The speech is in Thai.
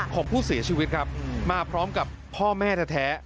ของผู้เสียชีวิตครับมาพร้อมกับพ่อแม่แท้